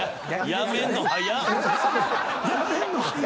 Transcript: やめんの早い！